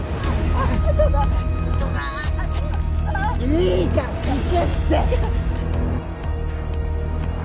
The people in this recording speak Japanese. いいから行けって！